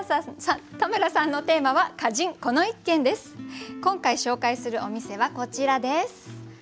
田村さんのテーマは今回紹介するお店はこちらです。